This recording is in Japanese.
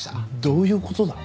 どういうことだ？